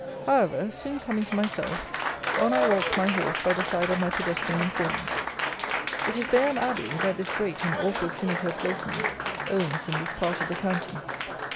However, soon coming to myself, on I walked my horse by the side of my pedestrian informant. It is Bayham Abbey that this great and awful sinecure placeman owns in this part of the county.